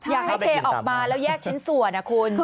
อยากให้เทออกมาแล้วแยกชิ้นส่วนนะคุณ